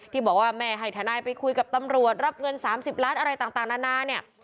ที่บอกว่าแม่ให้ทนายไปคุยกับตำรวจรับเงิน๓๐ล้านอะไรต่างนานาเนี่ย